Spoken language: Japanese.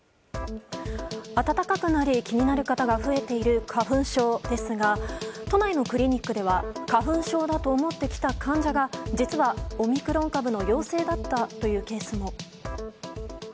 暖かくなり気になる方が増えている花粉症ですが都内のクリニックでは花粉症だと思って来た患者が実はオミクロン株の陽性だったというケースも。